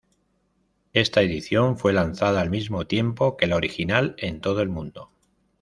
Esta edición fue lanzada al mismo tiempo que la original en todo el mundo.